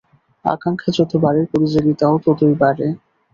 আকাঙ্ক্ষা যত বাড়ে, প্রতিযোগিতাও ততই বাড়ে।